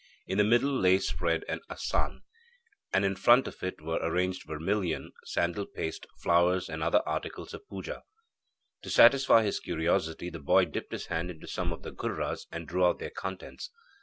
In the middle lay spread an assan, and in front of it were arranged vermilion, sandal paste, flowers, and other articles of puja. To satisfy his curiosity the boy dipped his hand into some of the ghurras, and drew out their contents.